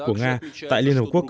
của nga tại liên hợp quốc